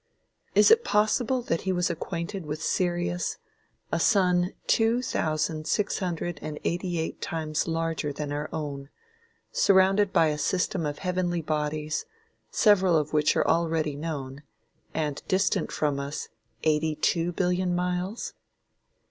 Is it possible that he was acquainted with Sirius, a sun two thousand six hundred and eighty eight times larger than our own, surrounded by a system of heavenly bodies, several of which are already known, and distant from us eighty two billion miles?